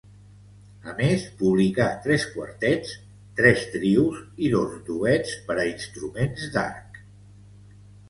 A més publicà tres quartets, tres trios i dos duets per a instruments d'arc.